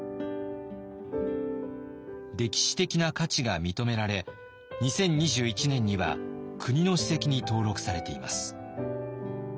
歴史的な価値が認められ２０２１年には国の史跡に登録されています。